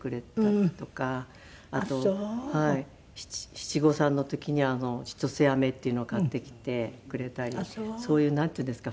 七五三の時には千歳飴っていうの買ってきてくれたりそういうなんていうんですか。